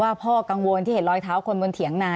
พ่อกังวลที่เห็นรอยเท้าคนบนเถียงนา